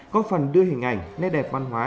có phần đưa hình ảnh nét đẹp văn hóa